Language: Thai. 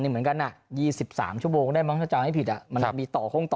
เหมือนกันอ่ะยี่สิบสามชั่วโบคุณได้เรื่อง่ายผิดอ่ะมันอาจมีต่อโครงต่อ